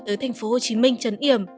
tới tp hcm trấn yểm